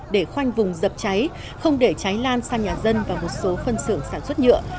để khoanh vùng dập cháy không để cháy lan sang nhà dân và một số phân xưởng sản xuất nhựa